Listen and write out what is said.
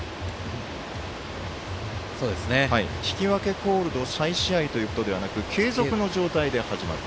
引き分けコールド再試合ではなく継続の状態で始まる。